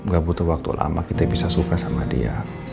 gak butuh waktu lama kita bisa suka sama dia